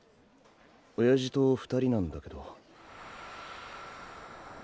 親父と２人なんだけど。